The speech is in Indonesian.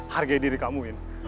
hargai diri kamu win